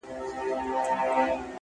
زه د کرکي دوزخي يم- ته د ميني اسيانه يې-